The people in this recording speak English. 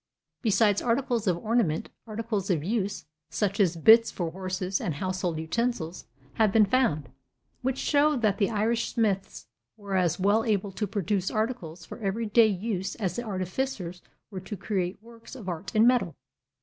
Besides articles of ornament, articles of use, such as bits for horses and household utensils, have been found, which show that the Irish smiths were as well able to produce articles for every day use as the artificers were to create works of art in metal.